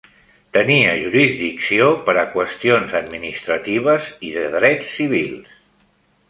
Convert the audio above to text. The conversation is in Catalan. Tenia jurisdicció per a qüestions administratives i de drets civils.